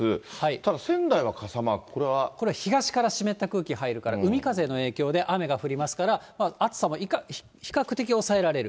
ただ、仙台は傘マーク、これは東から湿った空気が入るから、海風の影響で雨が降りますから、暑さは比較的おさえられる。